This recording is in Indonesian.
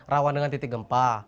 rawan dengan titik gempa